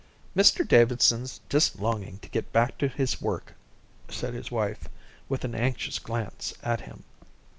"Mr Davidson's just longing to get back to his work," said his wife, with an anxious glance at him.